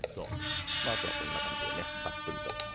あとは、こんな感じでたっぷりと。